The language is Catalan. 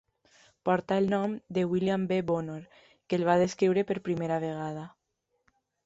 Porta el nom de William B. Bonnor, que el va descriure per primera vegada.